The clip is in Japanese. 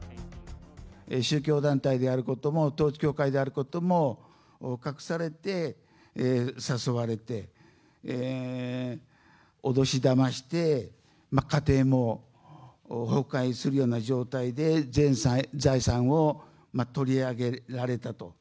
宗教団体であることも、統一教会であることも隠されて誘われて、脅し、だまして、家庭も崩壊するような状態で、全財産を取り上げられたと。